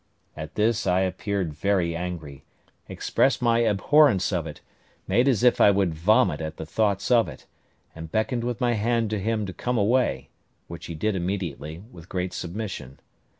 At this I appeared very angry, expressed my abhorrence of it, made as if I would vomit at the thoughts of it, and beckoned with my hand to him to come away, which he did immediately, with great submission.